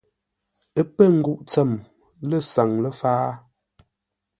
Ə́ pə́ nguʼ tsəm lə̂ saŋ ləfǎa.